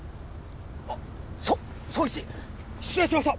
あっそ捜一失礼しました！